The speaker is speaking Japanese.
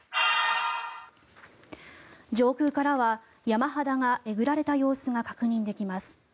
上空からは山肌がえぐられた様子が確認できます。